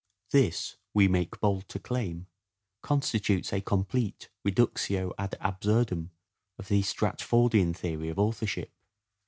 This, we make bold to claim, constitutes a complete reductio ad absurdum of the Stratfordian theory of authorship.